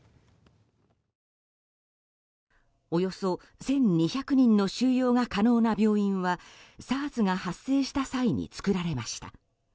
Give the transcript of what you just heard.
およそ１２００人の収容が可能な病院はＳＡＲＳが発生した際に作られました。